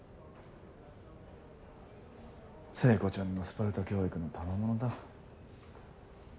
聖子ちゃんのスパルタ教育のたまものだ。